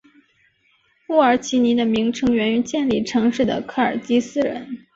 乌尔齐尼的名称源于建立城市的科尔基斯人。